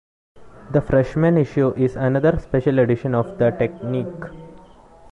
The Freshman Issue is another special edition of the "Technique".